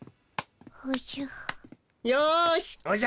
おじゃ。